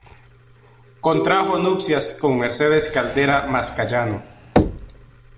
Contrajo nupcias con "Mercedes Caldera Mascayano".